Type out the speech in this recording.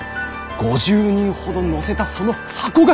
５０人ほどを乗せたその箱が。